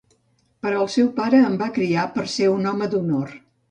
Però el seu pare em va criar per ser un home d'honor.